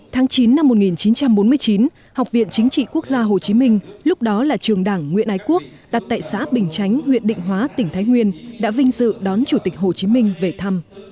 tháng chín năm một nghìn chín trăm bốn mươi chín học viện chính trị quốc gia hồ chí minh lúc đó là trường đảng nguyễn ái quốc đặt tại xã bình chánh huyện định hóa tỉnh thái nguyên đã vinh dự đón chủ tịch hồ chí minh về thăm